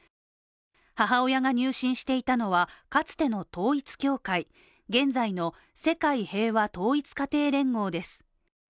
母親が入信していたのはかつての統一教会、現在の世界平和統一家庭連合です。